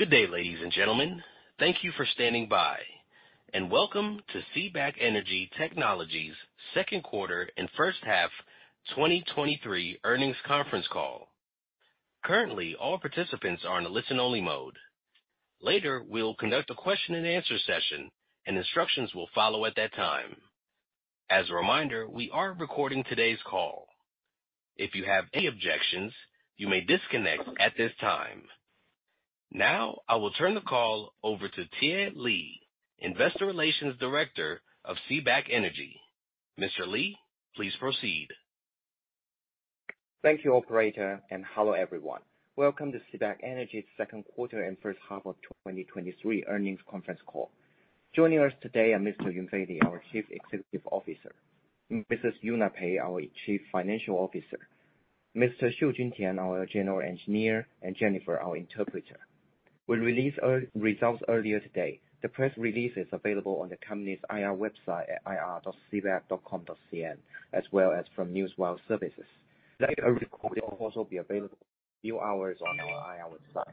Good day, ladies and gentlemen. Thank you for standing by, and welcome to CBAK Energy Technology second quarter and first half 2023 earnings conference call. Currently, all participants are in a listen-only mode. Later, we'll conduct a question and answer session, and instructions will follow at that time. As a reminder, we are recording today's call. If you have any objections, you may disconnect at this time. Now, I will turn the call over to Thierry Li, Investor Relations Director of CBAK Energy. Mr. Li, please proceed. Thank you, operator, and hello, everyone. Welcome to CBAK Energy's second quarter and first half of 2023 earnings conference call. Joining us today are Mr. Yunfei Li, our Chief Executive Officer; Mrs. Xiangyu Pei, our Chief Financial Officer; Mr. Xiujun Tian, our General Engineer; and Jennifer, our interpreter. We released results earlier today. The press release is available on the company's IR website at ir.cbak.com.cn, as well as from newswire services. Later, a recording will also be available in a few hours on our IR website.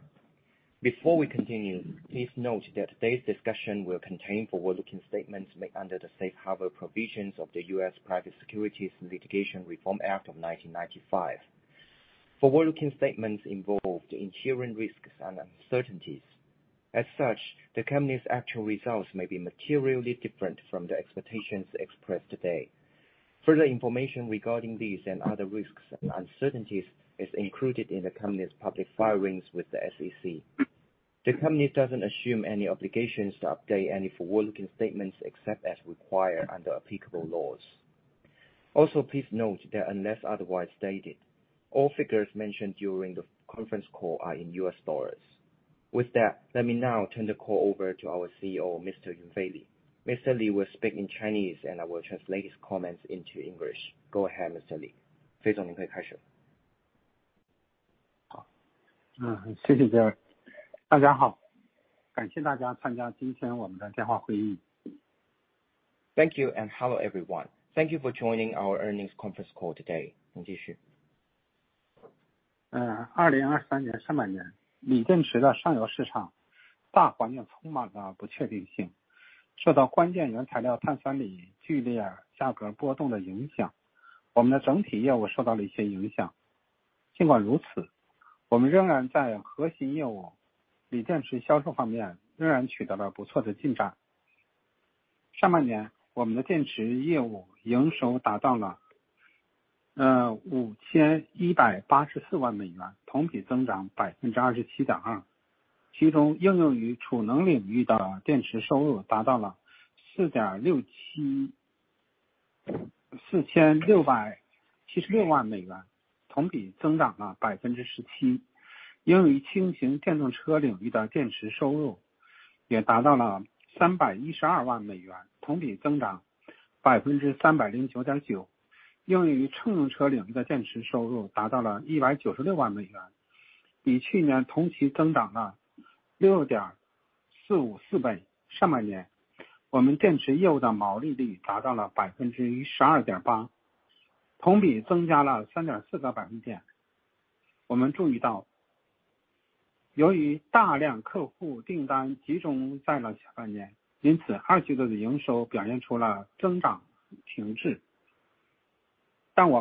Before we continue, please note that today's discussion will contain forward-looking statements made under the safe harbor provisions of the U.S. Private Securities Litigation Reform Act of 1995. Forward-looking statements involve the inherent risks and uncertainties. As such, the company's actual results may be materially different from the expectations expressed today. Further information regarding these and other risks and uncertainties is included in the company's public filings with the SEC. The company doesn't assume any obligations to update any forward-looking statements, except as required under applicable laws. Also, please note that unless otherwise stated, all figures mentioned during the conference call are in U.S. dollars. With that, let me now turn the call over to our CEO, Mr. Yunfei Li. Mr. Li will speak in Chinese, and I will translate his comments into English. Go ahead, Mr. Li. Thank you, and hello, everyone. Thank you for joining our earnings conference call today. Thank you, and hello, everyone. Thank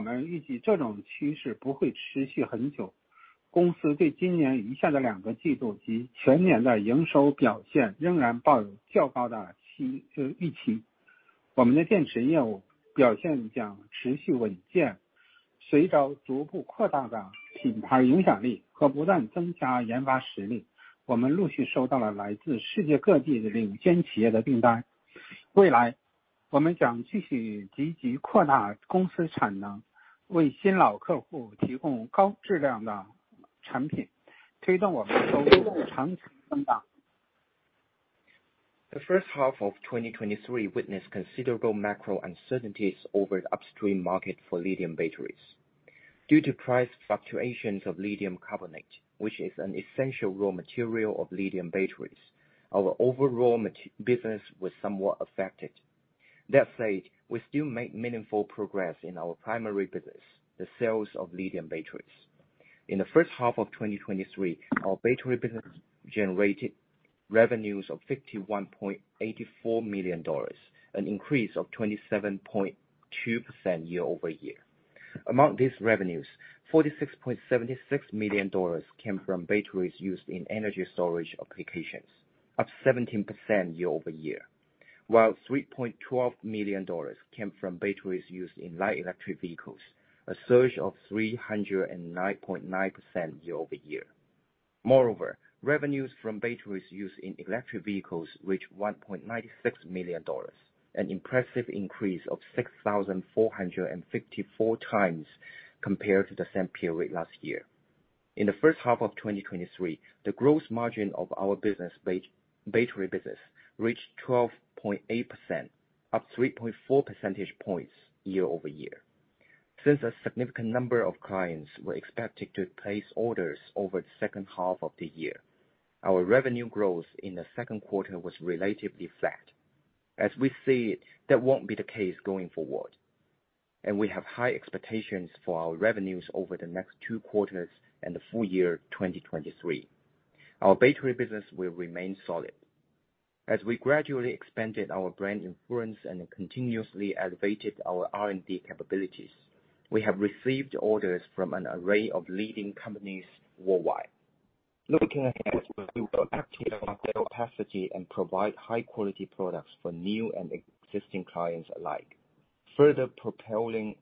you for joining our earnings conference call today. 2023, lithium battery market is full of uncertainty. Due to the significant price fluctuations of key raw material lithium carbonate, our overall business was somewhat affected. Despite this, we have still made good progress in our core business of lithium battery sales. In the first half of the year, our battery business revenue reached $51.84 million, an increase of 27.2% year-over-year. Among these revenues, $46.76 million came from batteries used in energy storage applications, up 17% year-over-year, while $3.12 million came from batteries used in light electric vehicles, a surge of 309.9% year-over-year. Moreover, revenues from batteries used in electric vehicles reached $1.96 million, an impressive increase of 6,454 times compared to the same period last year. In the first half of 2023, the gross margin of our battery business reached 12.8%, up 3.4 percentage points year-over-year. Since a significant number of clients were expected to place orders over the second half of the year, our revenue growth in the second quarter was relatively flat. As we see it, that won't be the case going forward. We have high expectations for our revenues over the next two quarters and the full year 2023. Our battery business will remain solid. As we gradually expanded our brand influence and continuously elevated our R&D capabilities, we have received orders from an array of leading companies worldwide. Looking ahead, we will actively market our capacity and provide high quality products for new and existing clients alike, further propelling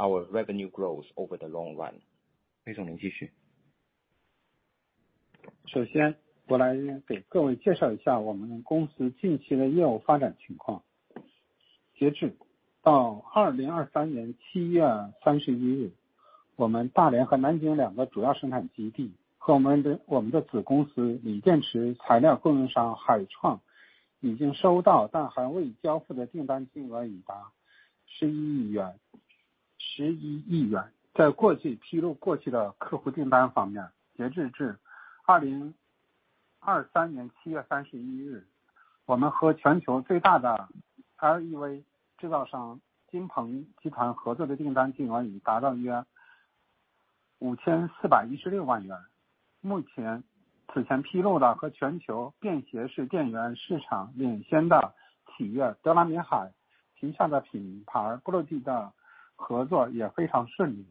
our revenue growth over the long run. 魏 总, 您继 续. 我来给各位介绍一下我们公司近期的业务发展情况。截至到 July 31, 2023, 我们 Dalian 和 Nanjing 两个主要生产基 地， 和我们的子公司锂电池材料供应商 Hitrans 已经收到但还未交付的订单金额已达 RMB 1.1 billion, RMB 1.1 billion. 在过去披露过去的客户订单方 面， 截至至 July 31, 2023, 我们和全球最大的 LEV 制造商 Jinpeng Group 合作的订单金额已达到约 RMB 54.16 million. 目 前， 此前披露的和全球便携式电源市场领先的企业 PowerOak 旗下的品牌 BLUETTI 的合作也非常顺 利，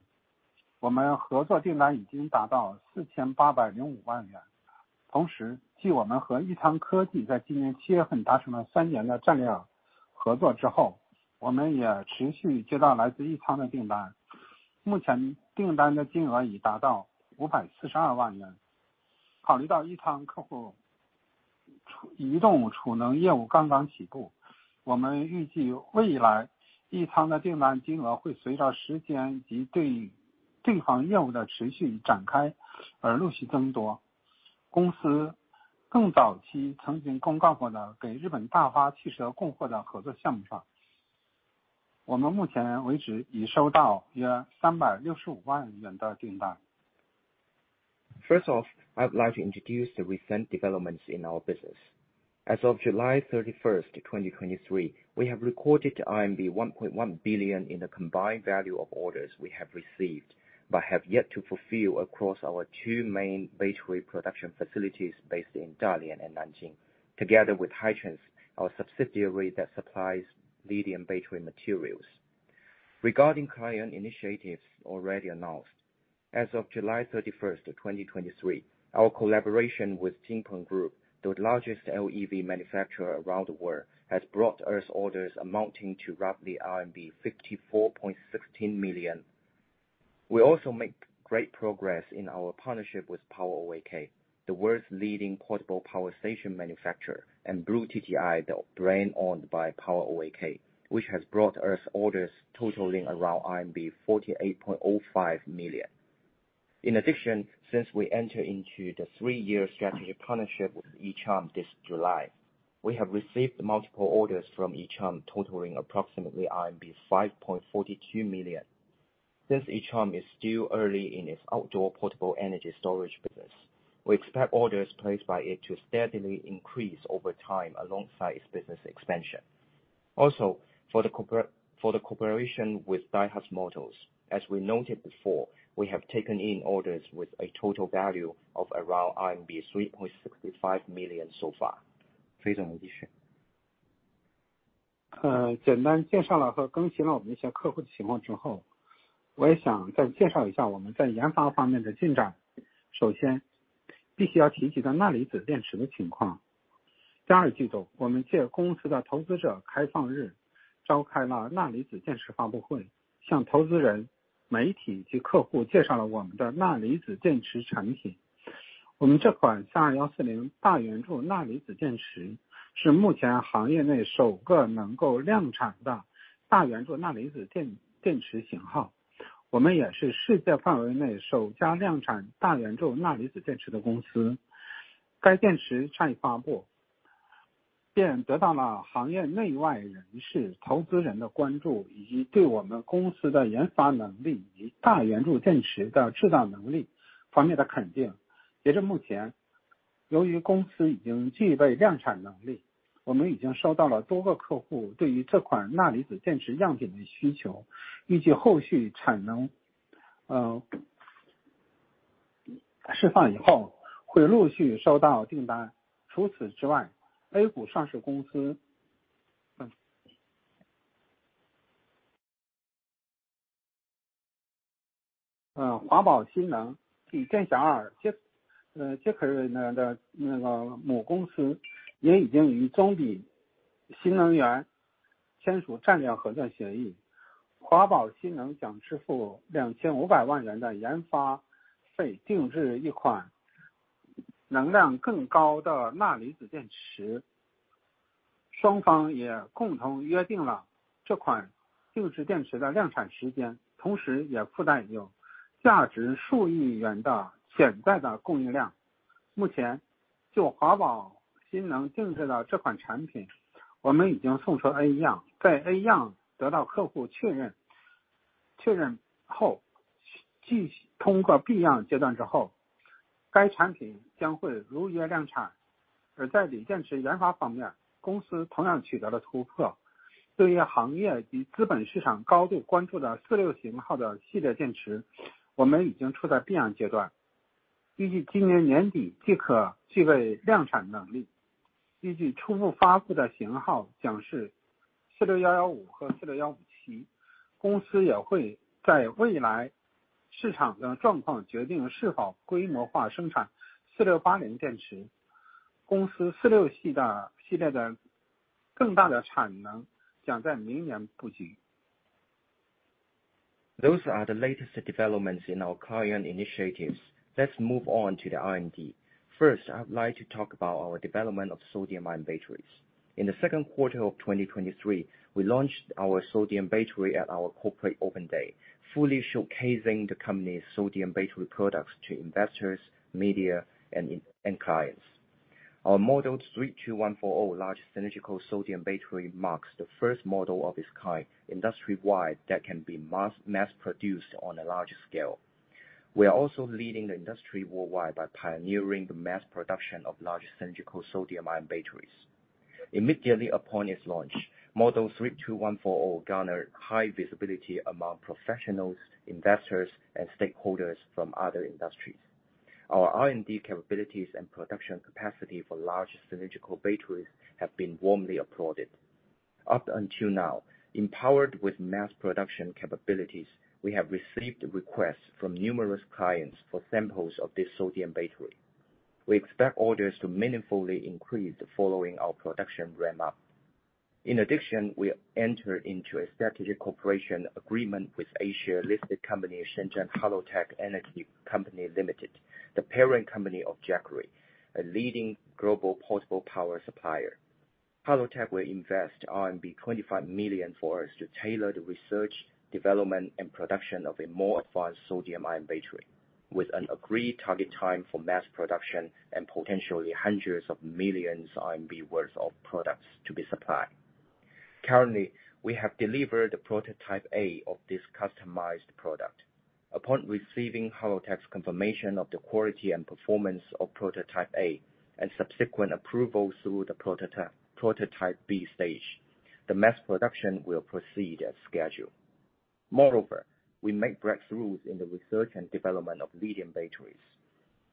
我们合作订单已经达到 RMB 48.05 million.继 我们和 Echom 在今年 July 达成了3年的战略合作之 后， 我们也持续接到来自 Echom 的订 单， 目前订单的金额已达到 RMB 5.42 million. 考虑到 Echom 客户 储， 移动储能业务刚刚起 步， 我们预计未来 Echom 的订单金额会随着时间以及对应这项业务的持续展开而陆续增多。公司更早期曾经公告过的给日本 Daihatsu Motor 供货的合作项目 上， 我们目前为止已收到约 RMB 3.65 million 的订单。First off, I would like to introduce the recent developments in our business. As of July 31st, 2023, we have recorded 1.1 billion in the combined value of orders we have received, but have yet to fulfill across our two main battery production facilities based in Dalian and Nanjing, together with Hitrans, our subsidiary that supplies lithium battery materials. Regarding client initiatives already announced, as of July 31st, 2023, our collaboration with Jinpeng Group, the largest LEV manufacturer around the world, has brought us orders amounting to roughly RMB 54.16 million. We also make great progress in our partnership with PowerOak, the world's leading portable power station manufacturer, and BLUETTI, the brand owned by PowerOak, which has brought us orders totaling around RMB 48.05 million. In addition, since we enter into the 3-year strategic partnership with Echom this July, we have received multiple orders from Echom, totaling approximately RMB 5.42 million. Since Echom is still early in its outdoor portable energy storage business, we expect orders placed by it to steadily increase over time alongside its business expansion. Also, for the cooperation with Daihatsu Motor, as we noted before, we have taken in orders with a total value of around RMB 3.65 million so far. 魏 总， 您继续。呃， 简单介绍了和更新了我们一些客户的情况之 后， 我也想再介绍一下我们在研发方面的进展。首先必须要提及到钠离子电池的情况。第二季 度， 我们借公司的投资者开放日召开了钠离子电池发布 会， 向投资人、媒体及客户介绍了我们的钠离子电池产品。我们这款三二一四零大圆柱钠离子电池是目前行业内首个能够量产的大圆柱钠离子电-电池型号，我们也是世界范围内首家量产大圆柱钠离子电池的公司。该电池一发布便得到了行业内外人士投资人的关 注， 以及对我们公司的研发能力以及大圆柱电池的制造能力方面的肯定。截至目 前， 由于公司已经具备量产能力，我们已经收到了多个客户对于这款钠离子电池样品的需 求， 预计后续产 能， 呃， 释放以后会陆续收到订单。除此之 外， A 股上市公 司， 嗯， 华宝新能源锂电小 二， 就， 呃， just 那 个， 那个母公司也已经与中比新能源签署战略合作协 议， 华宝新能源将支付两千五百万元的研发 费， 定制一款能量更高的钠离子电池。双方也共同约定了这款定制电池的量产时 间， 同时也附带有价值数亿元的潜在的供应量。目前就华宝新能源定制的这款产 品， 我们已经送出 A 样， 在 A 样得到客户确 认， 确认 后...... 继续通过 B 样阶段之 后， 该产品将会如约量产。在锂电池研发方 面， 公司同样取得了突 破， 对于行业及资本市场高度关注的46型号的系列电 池， 我们已经处在 B 样阶 段， 预计今年年底即可具备量产能力。预计初步发布的型号将是46115和 46157。公司也会在未来市场的状 况， 决定是否规模化生产4680电池。公司 46系 的系列的更大的产能将在明年布局。Those are the latest developments in our current initiatives. Let's move on to the R&D. First, I'd like to talk about our development of sodium-ion batteries. In the second quarter of 2023, we launched our sodium battery at our corporate open day, fully showcasing the company's sodium battery products to investors, media, and clients. Our model 32140 large cylindrical sodium battery marks the first model of its kind, industry-wide, that can be mass produced on a large scale. We are also leading the industry worldwide by pioneering the mass production of large cylindrical sodium-ion batteries. Immediately upon its launch, model 32140 garnered high visibility among professionals, investors, and stakeholders from other industries. Our R&D capabilities and production capacity for large cylindrical batteries have been warmly applauded. Up until now, empowered with mass production capabilities, we have received requests from numerous clients for samples of this sodium-ion battery. We expect orders to meaningfully increase following our production ramp up. In addition, we entered into a strategic cooperation agreement with A-share listed company Shenzhen Hello Tech Energy Company Limited, the parent company of Jackery, a leading global portable power supplier. Hello Tech will invest RMB 25 million for us to tailor the research, development, and production of a more advanced sodium-ion battery, with an agreed target time for mass production and potentially hundreds of millions RMB worth of products to be supplied. Currently, we have delivered the prototype A of this customized product. Upon receiving Hello Tech's confirmation of the quality and performance of prototype A and subsequent approval through the prototype B stage, the mass production will proceed as scheduled. Moreover, we make breakthroughs in the research and development of lithium batteries.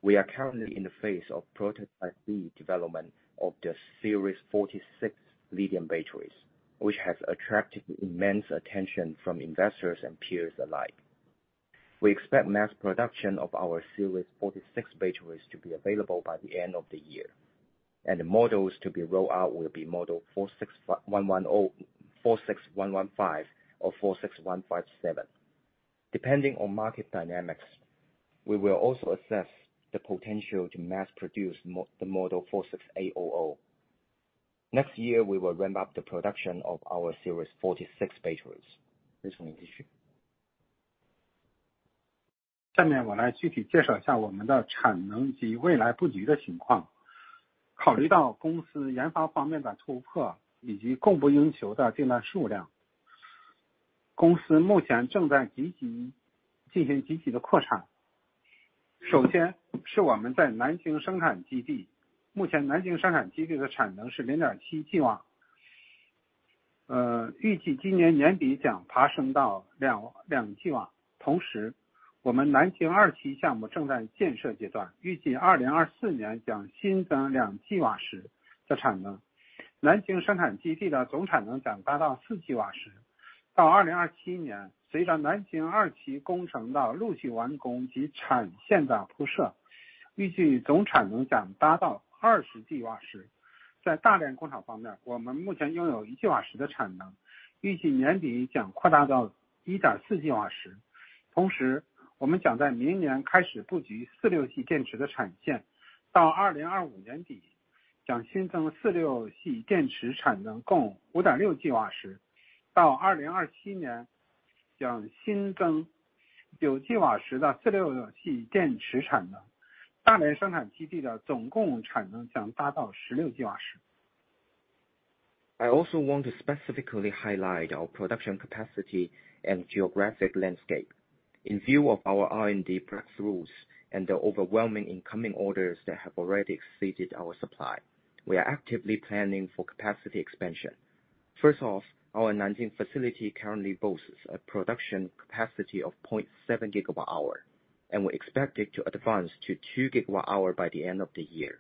We are currently in the phase of prototype B development of the Series 46 lithium batteries, which has attracted immense attention from investors and peers alike. We expect mass production of our Series 46 batteries to be available by the end of the year, and the models to be rolled out will be model 46110, 46115 or 46157. Depending on market dynamics, we will also assess the potential to mass produce the model 46800. Next year, we will ramp up the production of our Series 46 batteries. This one is issue 下面我来具体介绍一下我们的产能及未来布局的情况。考虑到公司研发方面的突 破， 以及供不应求的订单数 量， 公司目前正在积极进行积极的扩产。首先是我们在南京生产基 地， 目前南京生产基地的产能是零点七 G 瓦， 呃， 预计今年年底将爬升到 两， 两 G 瓦。同 时， 我们南京二期项目正在建设阶 段， 预计二零二四年将新增两 G 瓦时的产能。南京生产基地的总产能将达到四 G 瓦时。到二零二七 年， 随着南京二期工程的陆续完工及产线的铺 设， 预计总产能将达到二十 G 瓦时。在大连工厂方 面， 我们目前拥有一 G 瓦时的产 能， 预计年底将扩大到一点四 G 瓦时。同 时， 我们将在明年开始布局四六系电池的产 线， 到二零二五年底将新增四六系电池产能共五点六 G 瓦时，到二零二七年将新增九 G 瓦时的四六系电池产能。大连生产基地的总共产能将达到十六 G 瓦时。I also want to specifically highlight our production capacity and geographic landscape. In view of our R&D breakthroughs and the overwhelming incoming orders that have already exceeded our supply, we are actively planning for capacity expansion. First off, our Nanjing facility currently boasts a production capacity of 0.7 GWh, and we expect it to advance to 2 GWh by the end of the year.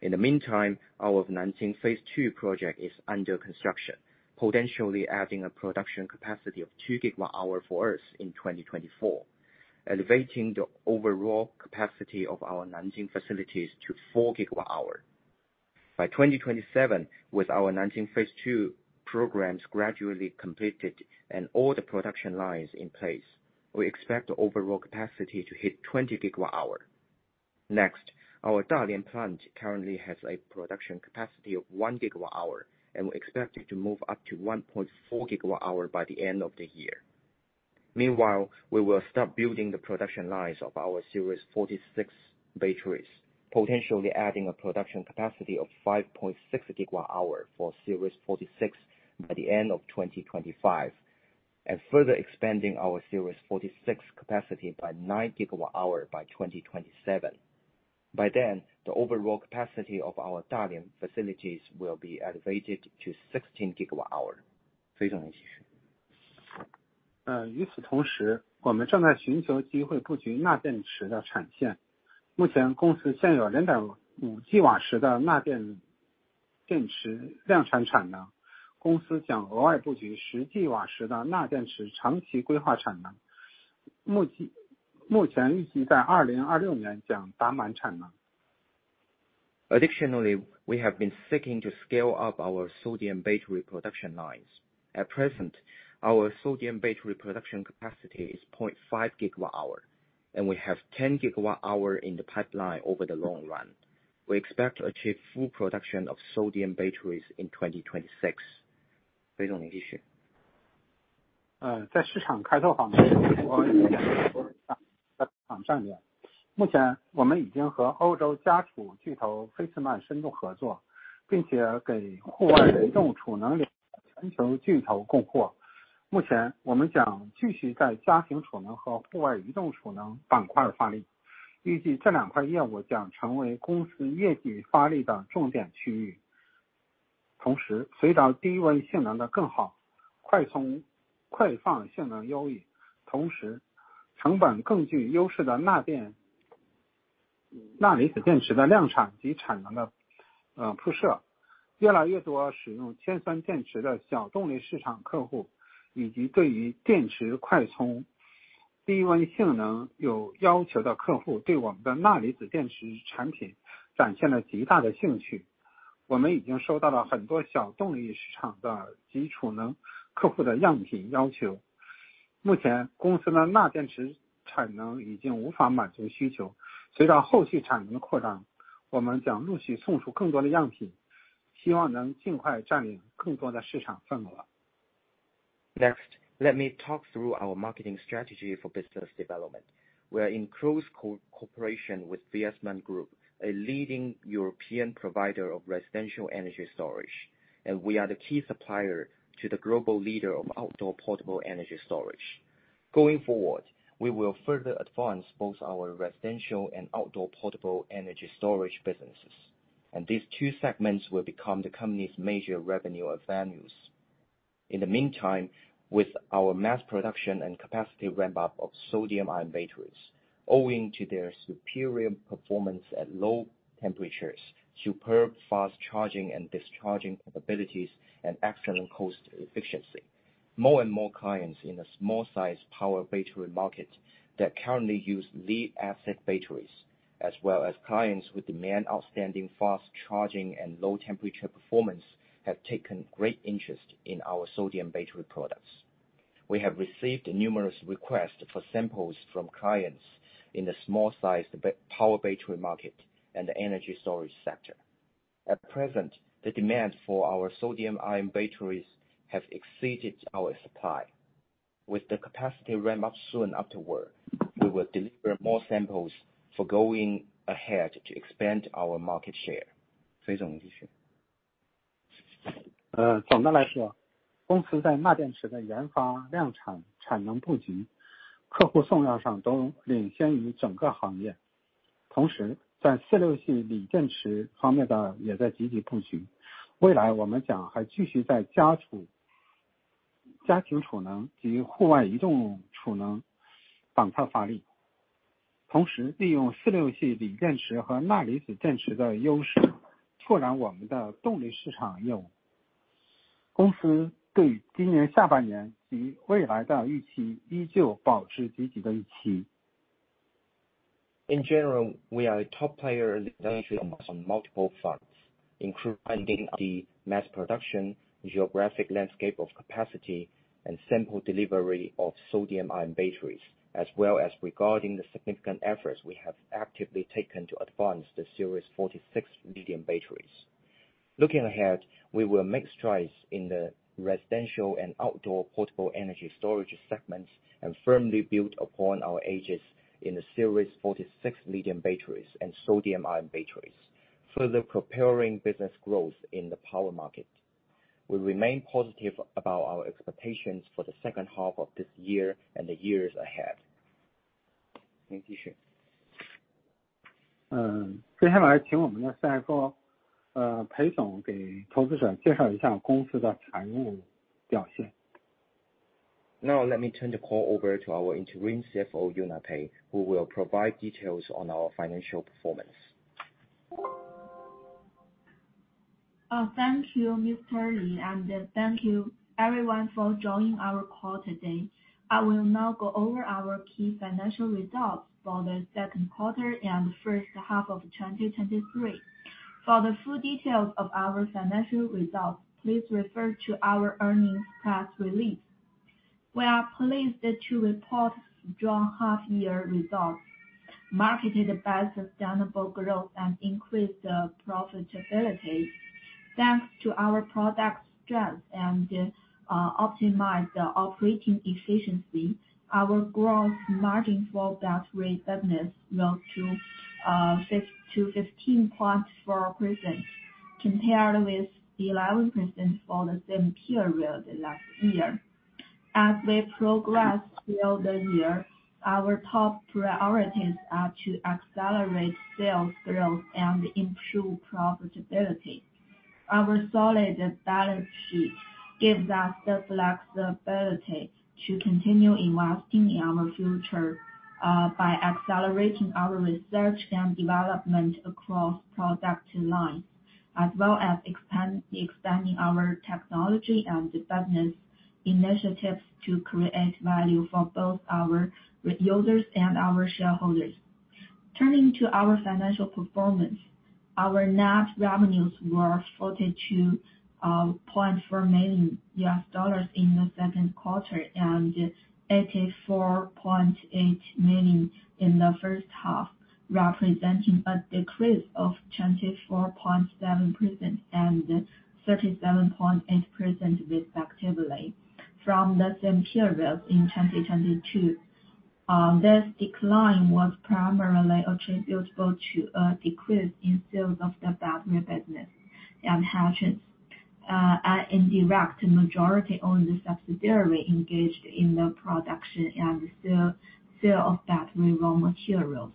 In the meantime, our Nanjing Phase II project is under construction, potentially adding a production capacity of 2 GWh for us in 2024, elevating the overall capacity of our Nanjing facilities to 4 GWh. By 2027, with our Nanjing Phase II programs gradually completed and all the production lines in place, we expect the overall capacity to hit 20 GWh. Our Dalian plant currently has a production capacity of 1 GWh, and we expect it to move up to 1.4 GWh by the end of the year. Meanwhile, we will start building the production lines of our Series 46 batteries, potentially adding a production capacity of 5.6 GWh for Series 46 by the end of 2025, and further expanding our Series 46 capacity by 9 GWh by 2027. By then, the overall capacity of our Dalian facilities will be elevated to 16 GWh. Uh, 与此同 时， 我们正在寻求机会布局钠电池的产线。目前公司现有零点五吉瓦时的钠 电， 电池量产产 能， 公司将额外布局十吉瓦时的钠电池长期规划产能。目 前， 目前预计在二零二六年将达满产能。Additionally, we have been seeking to scale up our sodium-ion battery production lines. At present, our sodium-ion battery production capacity is 0.5 GWh, and we have 10 GWh in the pipeline over the long run. We expect to achieve full production of sodium-ion batteries in 2026. 在市场开拓方 面， 在市场上 面， 目前我们已经和欧洲家储巨头 Viessmann Group 深度合 作， 并且给户外移动储能全球巨头供货。目前我们将继续在家庭储能和户外移动储能板块发 力， 预计这两块业务将成为公司业绩发力的重点区域。同 时， 随着低温性能的更 好， 快充快放性能优 异， 同时成本更具优势的 sodium-ion batteries， sodium-ion batteries 的量产及产能的铺 设， 越来越多使用 lead-acid batteries 的小动力市场客 户， 以及对于电池快 充， 低温性能有要求的客 户， 对我们的 sodium-ion batteries 产品展现了极大的兴趣。我们已经收到了很多小动力市场的储能客户的样品要求。目前公司的 sodium-ion batteries 产能已经无法满足需 求， 随着后续产能的扩 张， 我们将陆续送出更多的样 品， 希望能尽快占领更多的市场份额。Next, let me talk through our marketing strategy for business development. We are in close cooperation with Viessmann Group, a leading European provider of residential energy storage, and we are the key supplier to the global leader of outdoor portable energy storage. Going forward, we will further advance both our residential and outdoor portable energy storage businesses, and these two segments will become the company's major revenue avenues. In the meantime, with our mass production and capacity ramp-up of sodium-ion batteries, owing to their superior performance at low temperatures, superb fast charging and discharging capabilities, and excellent cost efficiency. More and more clients in the small sized power battery market that currently use lead-acid batteries, as well as clients with demand outstanding fast charging and low temperature performance, have taken great interest in our sodium battery products. We have received numerous requests for samples from clients in the small sized power battery market and the energy storage sector. At present, the demand for our sodium-ion batteries have exceeded our supply. With the capacity ramp-up soon afterward, we will deliver more samples for going ahead to expand our market share. 总的来 说， 公司在钠电池的研 发， 量 产， 产能布 局， 客户送样上都领先于整个行业。同时在四六系锂电池方面的也在积极布 局， 未来我们将还继续在家庭储能及户外移动储能板块发 力， 同时利用四六系锂电池和钠离子电池的优 势， 拓展我们的动力市场业务。公司对今年下半年及未来的预期依旧保持积极的预期。In general, we are a top player in on multiple fronts, including the mass production, geographic landscape of capacity, and sample delivery of sodium-ion batteries, as well as regarding the significant efforts we have actively taken to advance the Series 46 lithium batteries. Looking ahead, we will make strides in the residential and outdoor portable energy storage segments, and firmly build upon our edges in the Series 46 lithium batteries and sodium-ion batteries, further propelling business growth in the power market. We remain positive about our expectations for the second half of this year and the years ahead. 嗯， 接下来请我们的 CFO， 呃， 裴总给投资者介绍一下公司的财务表现。Now let me turn the call over to our Interim CFO, Xiangyu Pei, who will provide details on our financial performance. Thank you, Mr. Li, and thank you everyone for joining our call today. I will now go over our key financial results for the 2Q and the 1H of 2023. For the full details of our financial results, please refer to our earnings press release. We are pleased to report strong half-year results, marked by sustainable growth and increased profitability. Thanks to our product strength and optimized operating efficiency, our gross margin for battery business rose to 6-15 points for our present, compared with the 11% for the same period last year. As we progress throughout the year, our top priorities are to accelerate sales growth and improve profitability. Our solid balance sheet gives us the flexibility to continue investing in our future, by accelerating our research and development across product lines, as well as expanding our technology and business initiatives to create value for both our users and our shareholders. Turning to our financial performance, our net revenues were $42.4 million in the second quarter, and $84.8 million in the first half, representing a decrease of 24.7% and 37.8%, respectively, from the same period in 2022. This decline was primarily attributable to a decrease in sales of the battery business and has an indirect majority-owned subsidiary engaged in the production and sale of battery raw materials.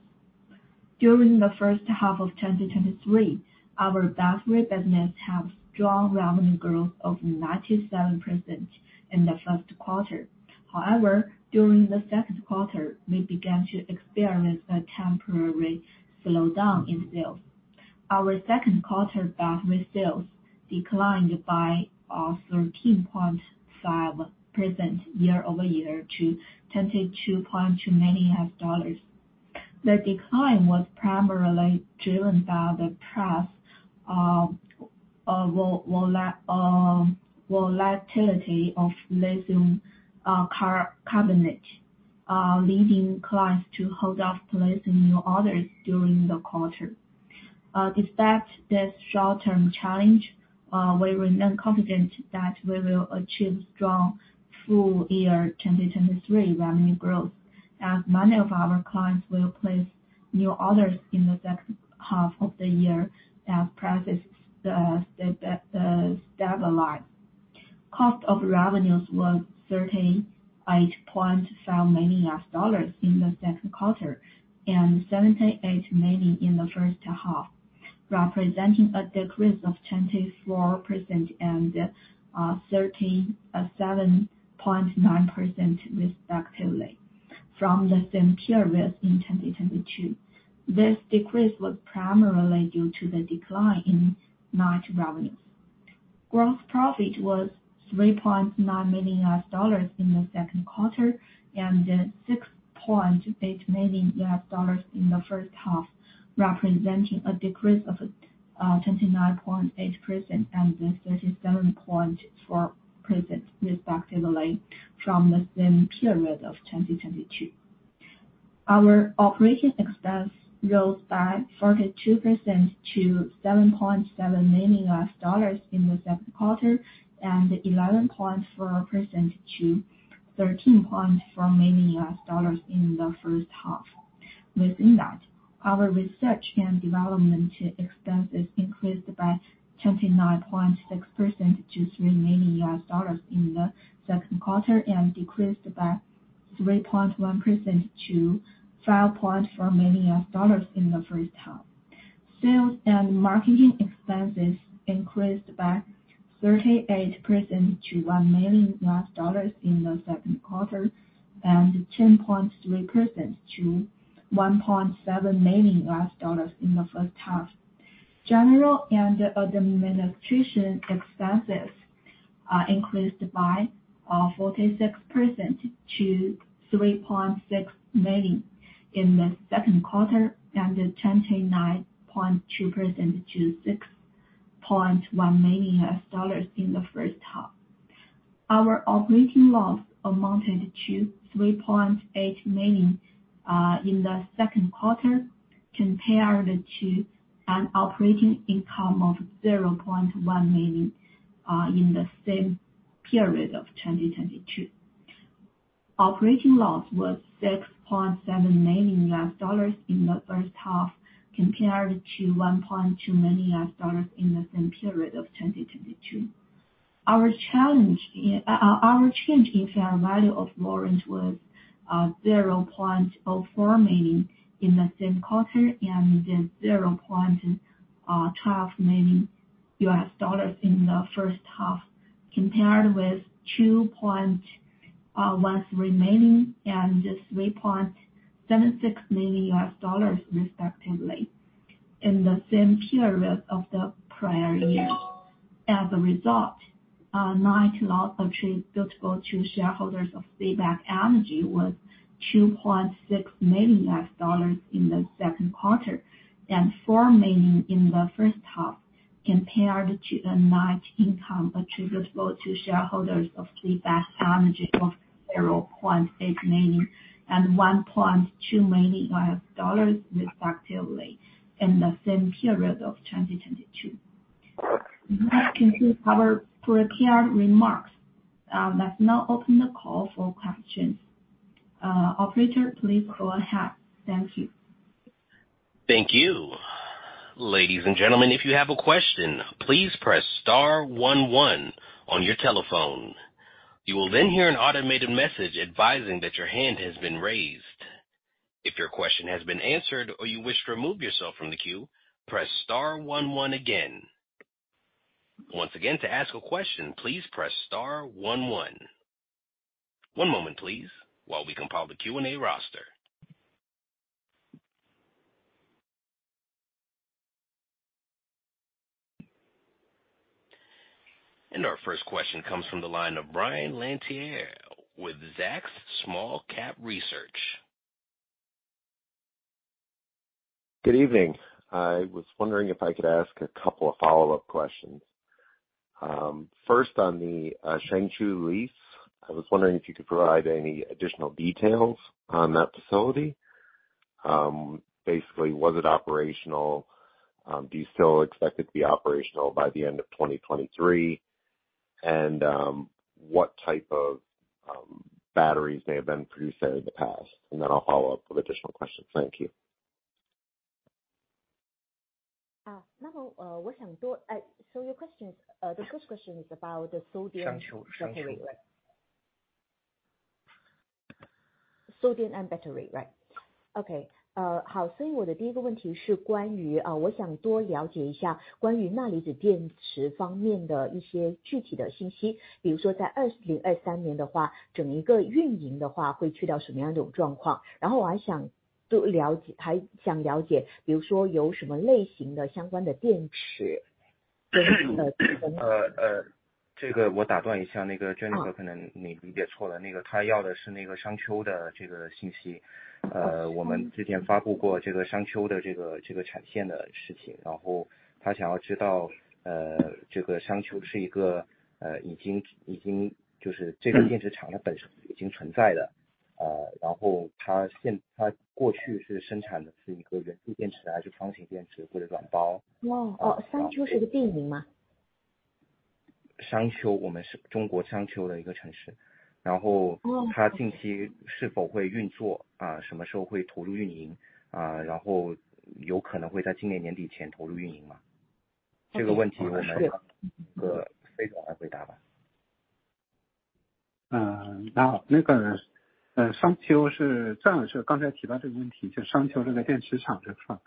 During the first half of 2023, our battery business had strong revenue growth of 97% in the first quarter. However, during the second quarter, we began to experience a temporary slowdown in sales. Our second quarter battery sales declined by 13.5% year-over-year to $22.2 million. The decline was primarily driven by the price volatility of lithium carbonate, leading clients to hold off placing new orders during the quarter. Despite this short-term challenge, we remain confident that we will achieve strong full year 2023 revenue growth, as many of our clients will place new orders in the second half of the year as prices stabilize. Cost of revenues was $38.5 million in the second quarter and $78 million in the first half, representing a decrease of 24% and 37.9% respectively from the same period in 2022. This decrease was primarily due to the decline in match revenues. Gross profit was $3.9 million in the second quarter, and $6.8 million in the first half, representing a decrease of 29.8% and 37.4% respectively from the same period of 2022. Our operating expense rose by 42% to $7.7 million in the second quarter, and 11.4% to $13.4 million in the first half. Within that, our research and development expenses increased by 29.6% to $3 million in the second quarter, and decreased by 3.1% to $5.4 million in the first half. Sales and marketing expenses increased by 38% to $1 million in the second quarter, and 10.3% to $1.7 million in the first half. General and administration expenses increased by 46% to $3.6 million in the second quarter, and 29.2% to $6.1 million in the first half. Our operating loss amounted to $3.8 million in the second quarter, compared to an operating income of $0.1 million in the same period of 2022. Operating loss was $6.7 million in the first half, compared to $1.2 million in the same period of 2022. Our change in fair value of warrants was $0.04 million in the same quarter, and then $0.12 million in the first half, compared with $2.1 million and $3.76 million respectively in the same period of the prior year. As a result, net loss attributable to shareholders of CBAK Energy was $2.6 million in the second quarter, and $4 million in the first half, compared to the net income attributable to shareholders of CBAK Energy of $0.8 million and $1.2 million, respectively, in the same period of 2022. That concludes our prepared remarks. Let's now open the call for questions. Operator, please go ahead. Thank you. Thank you. Ladies and gentlemen, if you have a question, please press star one one on your telephone. You will then hear an automated message advising that your hand has been raised. If your question has been answered or you wish to remove yourself from the queue, press star one one again. Once again, to ask a question, please press star one one. One moment please, while we compile the Q&A roster. Our first question comes from the line of Brian Lantier with Zacks Small Cap Research. Good evening. I was wondering if I could ask a couple of follow-up questions. First, on the Shangqiu lease, I was wondering if you could provide any additional details on that facility. Basically, was it operational? Do you still expect it to be operational by the end of 2023? What type of batteries may have been produced there in the past? I'll follow up with additional questions. Thank you. 那 么, your question is, the first question is about the sodium-. Shangqiu, Shangqiu. Sodium-ion battery, right? Okay. 好， 所以我的第一个问题是关 于... 我想多了解一 下， 关于钠离子电池方面的一些具体的信 息， 比如说在2023年的 话， 整个运营的话会去到什么样的一种状 况， 然后我还想多了 解， 还想了 解， 比如说有什么类型的相关的电池。呃， 呃， 这个我打断一 下， 那个 Jennifer， 可能你理解错 了， 那个她要的是那个商丘的这个信息。呃， 我们之前发布过这个商丘的这 个， 这个产线的事 情， 然后她想要知 道， 呃， 这个商丘是一 个， 呃， 已 经， 已经就是这个电池厂它本身已经存在的， 呃， 然后它现--它过去是生产的是一个圆柱电 池， 还是方形电 池， 或者软包。哦， 商丘是个地名 吗？ 商 丘， 我们是中国商丘的一个城 市， 然后它近期是否会运 作， 什么时候会投入运 营， 然后有可能会在今年年底前投入运营 吗？ 这个问题我们让那个飞总来回答吧。嗯， 那那 个， 呃， 商丘是张总刚才提到这个问 题， 就商丘这个电池厂这 块，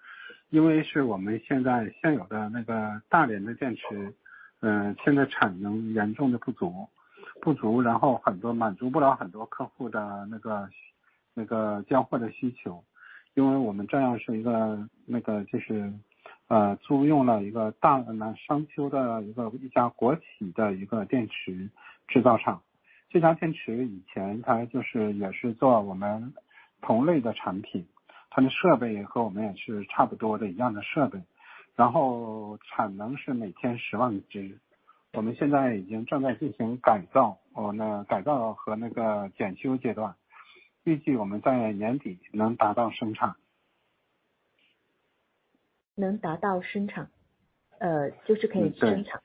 因为是我们现在现有的那个大连的电 池， 嗯， 现在产能严重的不 足， 不足然后很多满足不了很多客户的那 个， 那个交货的需 求， 因为我们这样是一 个， 那个就 是， 呃， 租用了一个 大， 呃， 商丘的一个一家国企的一个电池制造厂，这家电池以前它就是也是做我们同类的产 品， 它的设备和我们也是差不多的一样的设 备， 然后产能是每天十万 只， 我们现在已经正在进行改 造， 我们改造和那个检修阶 段， 预计我们在年底能达到生产。能达到生 产， 就是可以- 对. 生 产.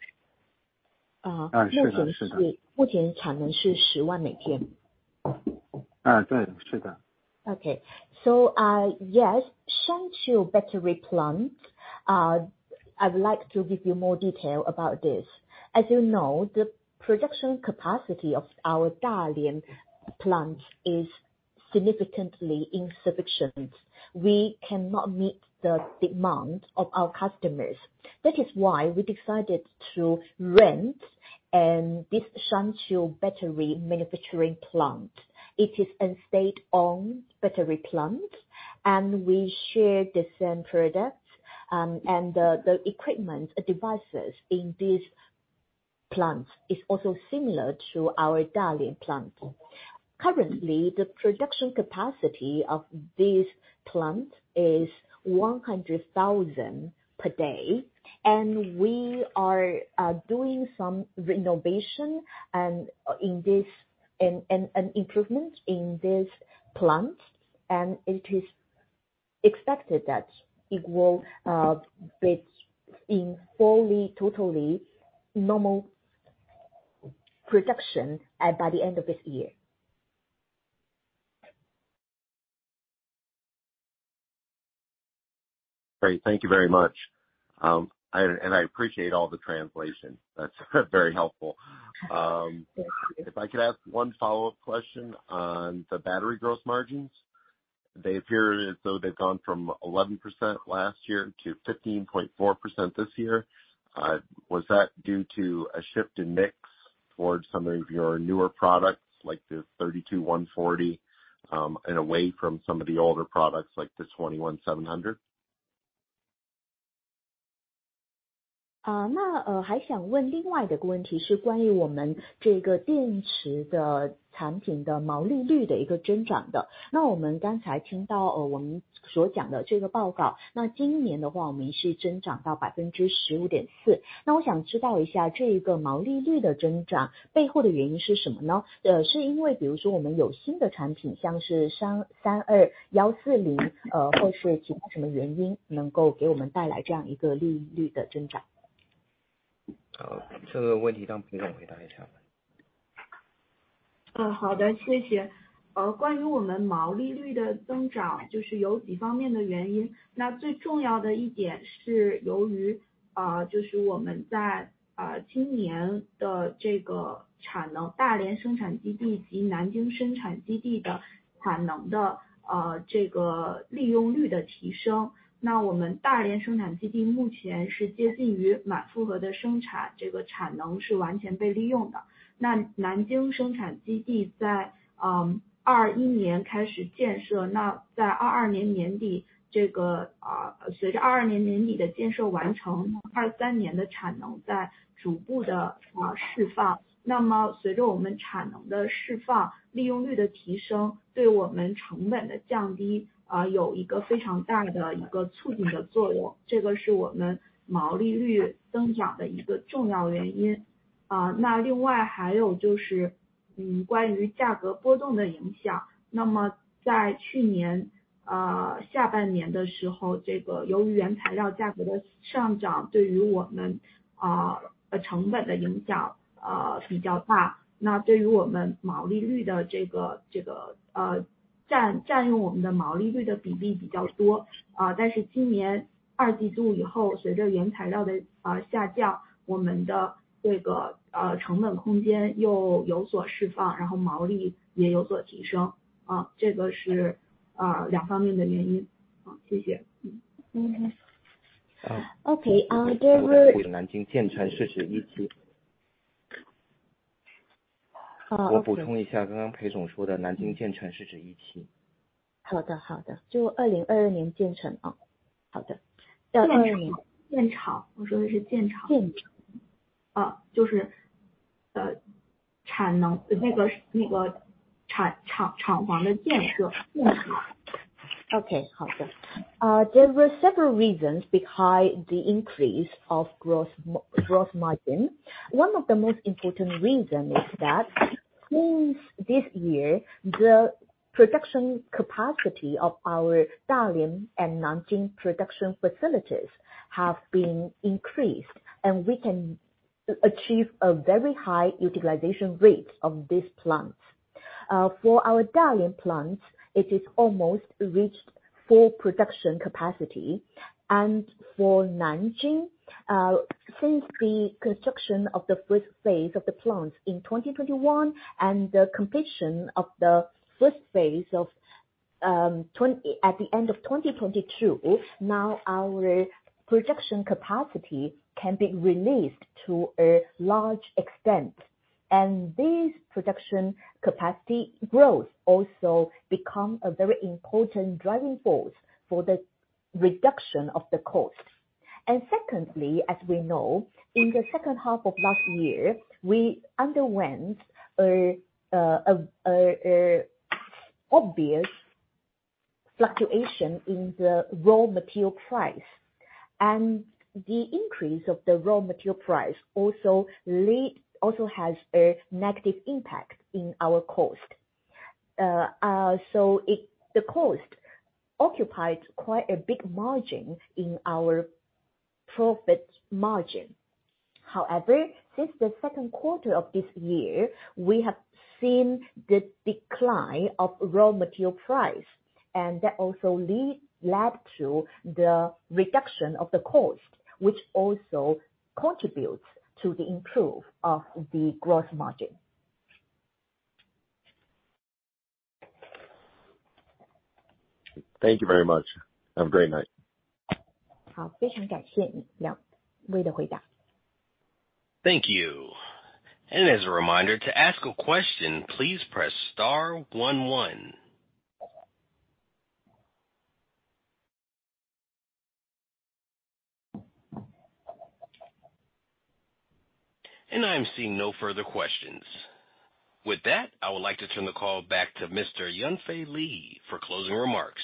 啊， 是 的， 是的。目前产能是 100,000 每天。啊， 对， 是的。Yes, Shangqiu battery plant. I would like to give you more detail about this. As you know, the production capacity of our Dalian plant is significantly insufficient. We cannot meet the demand of our customers. That is why we decided to rent this Shangqiu battery manufacturing plant. It is a state-owned battery plant, and we share the same products, and the equipment devices in this plant is also similar to our Dalian plant. Currently, the production capacity of this plant is 100,000 per day, and we are doing some renovation, and an improvement in this plant, and it is expected that it will be in fully, totally normal production by the end of this year. Great. Thank you very much. And I appreciate all the translation. That's very helpful. If I could ask one follow-up question on the battery gross margins, they appear as though they've gone from 11% last year to 15.4% this year. Was that due to a shift in mix towards some of your newer products, like the 32140, and away from some of the older products, like the 21700? 还想问另外的一个问 题， 是关于我们这个电池的产品的毛利率的一个增长的。我们刚才听 到， 我们所讲的这个报 告， 今年的 话， 我们是增长到 15.4%， 我想知道一 下， 这个毛利率的增长背后的原因是什么 呢？ 是因为比如说我们有新的产 品， 像是 32140， 或是其他什么原 因， 能够给我们带来这样一个利益率的增长。好， 这个问题让 Pin Zong 回答一 下。... 呃， 好 的， 谢谢。呃， 关于我们毛利率的增 长， 就是有几方面的原 因， 那最重要的一点是由 于， 啊， 就是我们 在， 啊， 今年的这个产 能， 大连生产基地及南京生产基地的产能 的， 呃， 这个利用率的提升，那我们大连生产基地目前是接近于满负荷的生 产， 这个产能是完全被利用的。那南京生产基地 在， 嗯， 二一年开始建 设， 那在二二年年 底， 这 个， 啊， 随着二二年年底的建设完 成， 二三年的产能在逐步 地， 呃， 释放。那么随着我们产能的释 放， 利用率的提 升， 对我们成本的降 低， 啊， 有一个非常大的一个促进的作 用， 这个是我们毛利率增长的一个重要原因。啊， 那另外还有就 是， 嗯， 关于价格波动的影 响， 那么在去 年， 呃， 下半年的时 候， 这个由于原材料价格的上 涨， 对于我 们， 啊， 呃， 成本的影 响， 呃， 比较 大， 那对于我们毛利率的这 个， 这 个， 呃， 占， 占用我们的毛利率的比例比较多。啊， 但是今年二季度以 后， 随着原材料 的， 呃， 下 降， 我们的这 个， 呃， 成本空间又有所释 放， 然后毛利也有所提 升， 啊， 这个 是， 啊， 两方面的原 因， 啊， 谢谢。嗯 ，OK， 啊 ，there were- 南京建成是指预期。好. 我补充一 下， 刚刚裴总说的南京建成是指预期。好 的， 好 的， 就二零二二年建 成， 哦， 好的。建 厂， 建 厂， 我说的是建厂。建厂。就 是, 产 能, 那 个, 那个厂房的建 设. OK， 好的。There were several reasons behind the increase of growth, gross margin. One of the most important reason is that since this year, the production capacity of our Dalian and Nanjing production facilities have been increased, and we can achieve a very high utilization rate of these plants. For our Dalian plants, it is almost reached full production capacity. For Nanjing, since the construction of the first phase of the plants in 2021, and the completion of the first phase of at the end of 2022, now our production capacity can be released to a large extent, and this production capacity growth also become a very important driving force for the reduction of the cost. Secondly, as we know, in the second half of last year, we underwent a obvious fluctuation in the raw material price, and the increase of the raw material price also has a negative impact in our cost. So the cost occupied quite a big margin in our profit margin. However, since the second quarter of this year, we have seen the decline of raw material price, and that also led to the reduction of the cost, which also contributes to the improve of the growth margin. Thank you very much. Have a great night. 好， 非常感谢你两位的回答。Thank you. As a reminder to ask a question, please press star one, one. I am seeing no further questions. With that, I would like to turn the call back to Mr. Yunfei Li for closing remarks.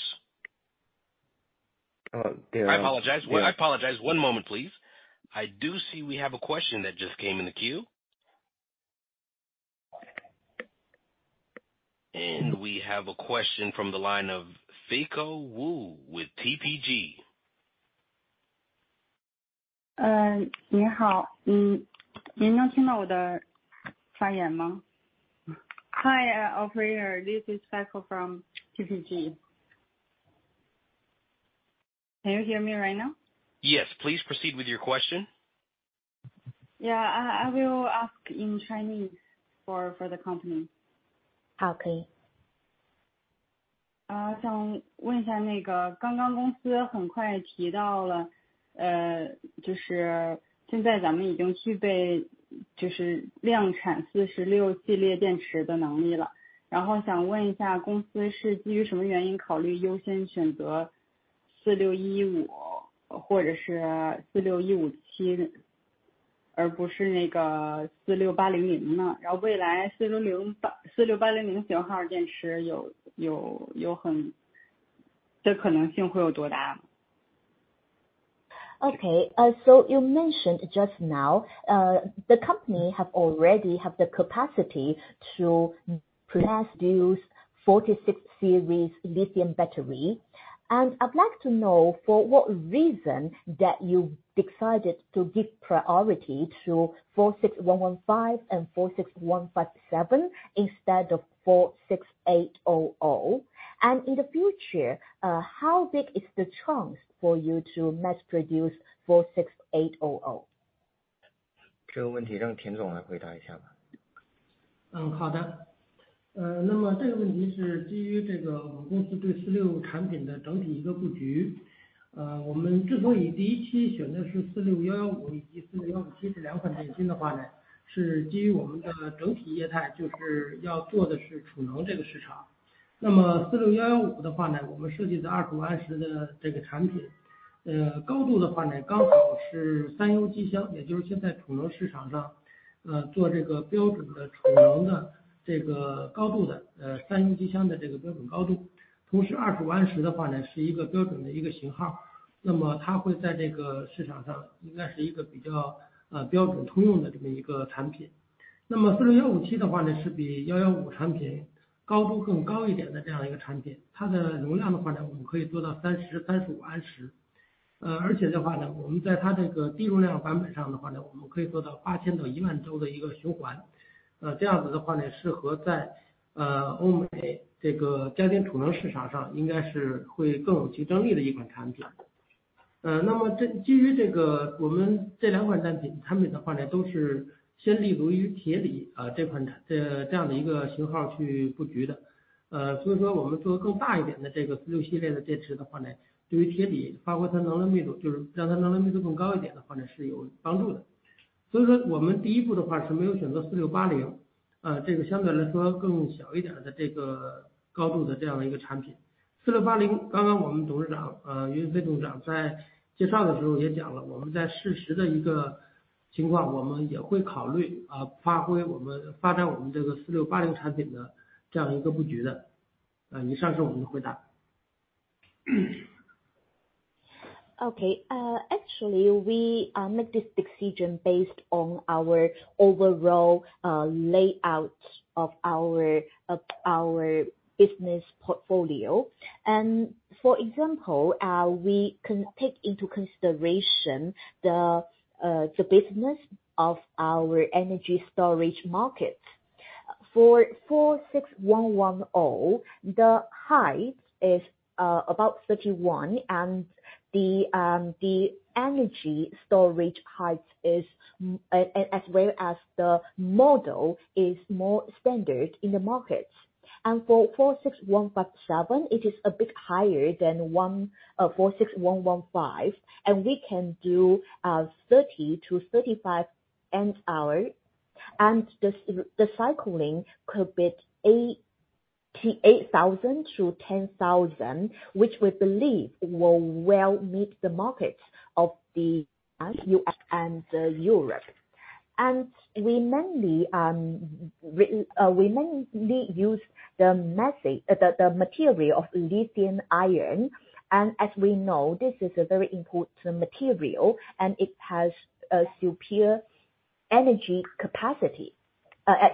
There are- I apologize. Well, I apologize. One moment, please. I do see we have a question that just came in the queue. We have a question from the line of [Saiko Wu] with TPG. 你 好， 你能听到我的发言吗 ？Hi, operator, this is [Saiko] from TPG. Can you hear me right now? Yes, please proceed with your question. Yeah, I will ask in Chinese for the company. 好， 可以。想问一 下， 刚刚公司很快提到 了， 就是现在咱们已经具 备， 就是量产 Series 46电池的能力了。然后想问一 下， 公司是基于什么原因考虑优先选择46115或者是 46157， 而不是46800 呢？ 然后未来 4608， 46800 型号电池的可能性会有多 大？ Okay, you mentioned just now, the company have already have the capacity to produce Series 46 lithium battery. I'd like to know for what reason that you decided to give priority to 46115 and 46157, instead of 46800? In the future, how big is the chance for you to mass produce 46800? Okay. Actually, we make this decision based on our overall layout of our, of our business portfolio. For example, we can take into consideration the business of our energy storage market. For 46110, the height is about 31, and the energy storage height is as well as the model is more standard in the market. For 46157, it is a bit higher than one, 46115, and we can do 30-35 amp hour, and the cycling could be 8,000-10,000, which we believe will well meet the market of the U.S. and Europe. We mainly use the the material of lithium-ion, and as we know, this is a very important material, and it has a superior energy capacity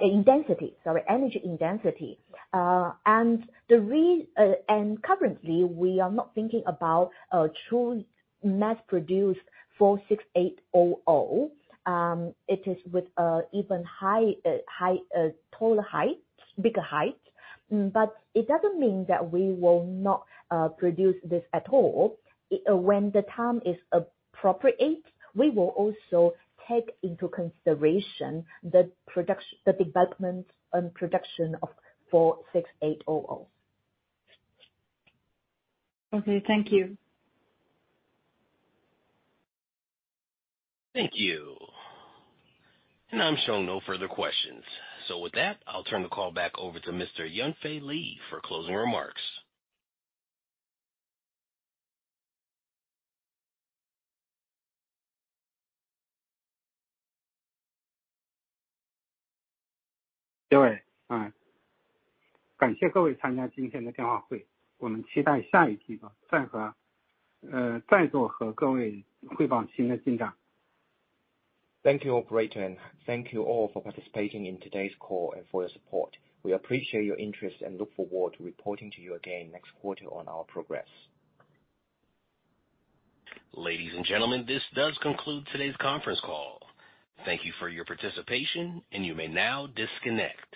in density, sorry, energy in density. Currently, we are not thinking about to mass produce 46800. It is with even high high taller height, bigger height. It doesn't mean that we will not produce this at all. When the time is appropriate, we will also take into consideration the development and production of 46800. Okay, thank you. Thank you. I'm showing no further questions. With that, I'll turn the call back over to Mr. Yunfei Li, for closing remarks. Thank you, operator, and thank you all for participating in today's call and for your support. We appreciate your interest and look forward to reporting to you again next quarter on our progress. Ladies and gentlemen, this does conclude today's conference call. Thank you for your participation, and you may now disconnect.